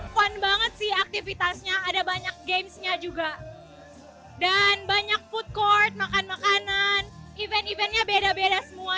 fun banget sih aktivitasnya ada banyak gamesnya juga dan banyak food court makan makanan event eventnya beda beda semua